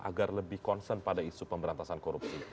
agar lebih concern pada isu pemberantasan korupsi